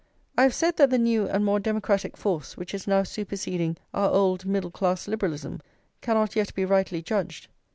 I have said that the new and more democratic force which is now superseding our old middle class liberalism cannot yet be rightly judged.